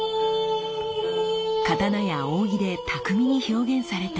刀や扇で巧みに表現された歴史の物語。